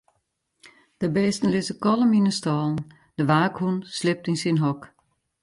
De bisten lizze kalm yn 'e stâlen, de waakhûn sliept yn syn hok.